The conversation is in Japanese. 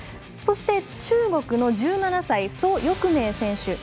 そして、中国の１７歳蘇翊鳴選手。